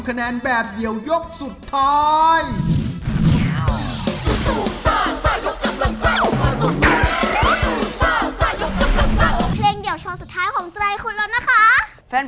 เพลงเดี่ยวชอนสุดท้ายของไตรคุณแล้วนะคะ